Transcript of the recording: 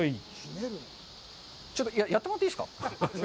ちょっとやってもらっていいですか？